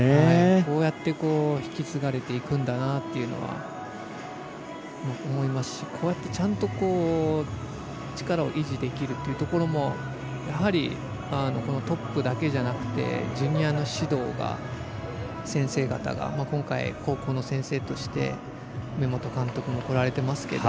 こうやって引き継がれていくんだなっていうのは思いますし、こうやってちゃんと力を維持できるというところもやはり、トップだけじゃなくてジュニアの指導が先生方が今回、高校の先生として監督もこられてますけど。